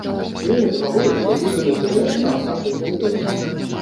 Немец гаворыць, што будзе надзяляць нас нашай зямлёй!